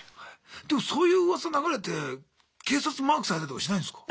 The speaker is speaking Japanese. でもそういううわさ流れて警察にマークされたりとかしないんすか？